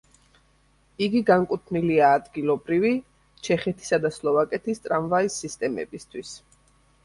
იგი განკუთვნილია ადგილობრივი, ჩეხეთისა და სლოვაკეთის ტრამვაის სისტემებისთვის.